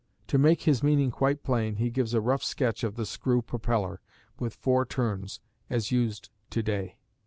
To make his meaning quite plain, he gives a rough sketch of the screw propeller, with four turns as used to day.